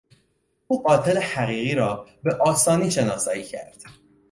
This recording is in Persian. او قاتل حقیقی را به آسانی شناسایی کرد.